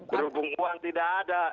berhubung uang tidak ada